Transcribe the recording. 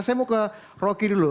saya mau ke rocky dulu